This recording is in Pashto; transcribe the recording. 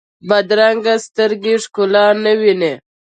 بدرنګه سترګې ښکلا نه ویني